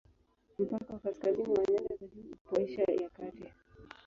Mpaka wa kaskazini wa nyanda za juu upo Asia ya Kati.